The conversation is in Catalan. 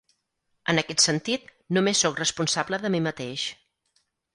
En aquest sentit, només soc responsable de mi mateix.